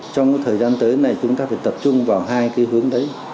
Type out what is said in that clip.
trong thời gian tới này chúng ta phải tập trung vào hai cái hướng đấy